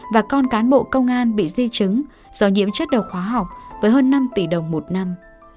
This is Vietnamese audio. và con cán bộ công an bị di chứng do nhiễm chất đầu khóa học với hơn năm tỷ đồng một năm